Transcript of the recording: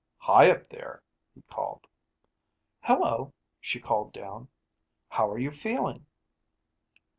"Hi, up there," he called. "Hello," she called down. "How are you feeling?"